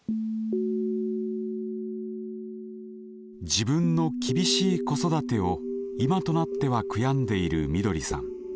自分の厳しい子育てを今となっては悔やんでいるみどりさん。